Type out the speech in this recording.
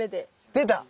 出た！